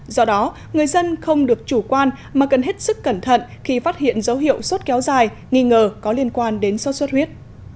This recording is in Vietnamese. do đó người dân không được chủ quan mà cần hết sức cẩn thận khi phát hiện dấu hiệu sốt kéo dài nghi ngờ có liên quan đến sốt xuất huyết